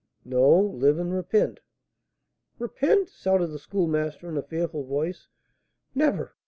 "No! Live and repent." "Repent!" shouted the Schoolmaster, in a fearful voice. "Never!